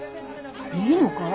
いいのかい？